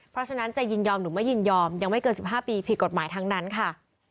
เพราะฉะนั้นจะยินยอมหรือไม่ยินยอมยังไม่เกิน๑๕ปีผิดกฎหมายทั้งนั้นค่ะ